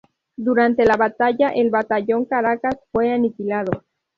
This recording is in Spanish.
Durante la batalla el batallón Caracas fue aniquilado.